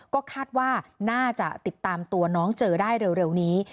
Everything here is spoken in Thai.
ก็คาดว่าน่าจะติดตามตัวน้องเจอได้เร็วนี้